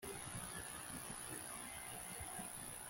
henry rollins